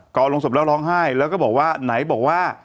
อลงศพแล้วร้องไห้แล้วก็บอกว่าไหนบอกว่า